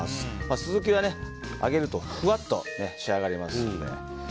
スズキは揚げるとふわっと仕上がりますので。